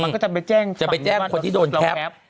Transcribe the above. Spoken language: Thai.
มันก็จะไปแจ้งฝั่งบ้านสูตรเราแคป